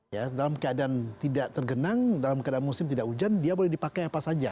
ya dalam keadaan tidak tergenang dalam keadaan musim tidak hujan dia boleh dipakai apa saja